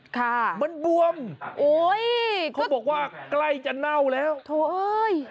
ค่ะโอ้โหมันบวมเขาบอกว่าใกล้จะเน่าแล้วโถ่เอ้ย